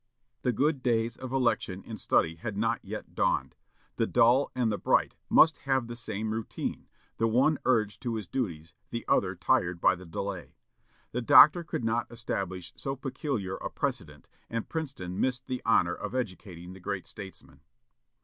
The good days of election in study had not yet dawned. The dull and the bright must have the same routine; the one urged to his duties, the other tired by the delay. The doctor could not establish so peculiar a precedent, and Princeton missed the honor of educating the great statesman.